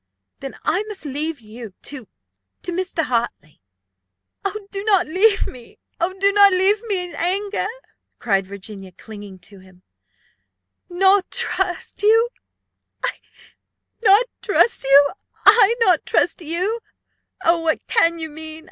Then I must leave you to to Mr. Hartley." "Do not leave me oh, do not leave me in anger!" cried Virginia, clinging to him. "Not trust you! I! not trust you! Oh, what can you mean?